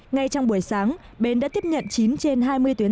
ngay trong buổi sáng bến đã tiếp nhận chín trên hai mươi tuyến